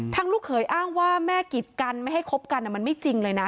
ลูกเขยอ้างว่าแม่กิดกันไม่ให้คบกันมันไม่จริงเลยนะ